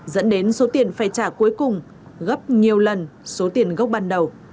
vì vậy dẫn đến số tiền phải trả cuối cùng gấp nhiều lần số tiền gốc ban đầu